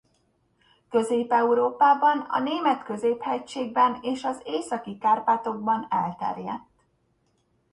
Közép-Európában a Német-középhegységben és az Északi-Kárpátokban elterjedt.